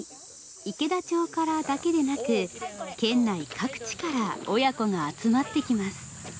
池田町からだけでなく県内各地から親子が集まってきます。